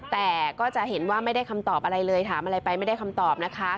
แต่ก็จะเห็นว่าไม่ได้คำตอบอะไรเลยถามอะไรไปไม่ได้คำตอบนะคะ